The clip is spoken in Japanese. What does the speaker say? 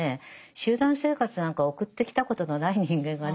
集団生活なんか送ってきたことのない人間がね